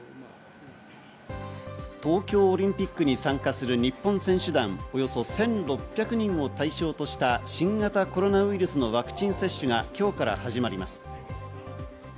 東京オリンピックに参加する日本選手団、およそ１６００人を対象とした新型コロナウイルスのワクチン接種が今日から始まります。